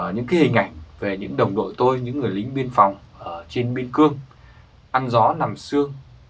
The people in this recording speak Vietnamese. những hình ảnh về những đồng đội tôi những người lính biên phòng ở trên biên cương ăn gió nằm xương